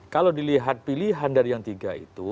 kalau dilihat pilihan dari yang tiga itu